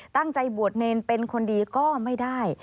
ตั้งใจบวชเนรเป็นคนดีก็ไม่ได้